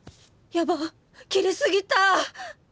やばっ切りすぎた！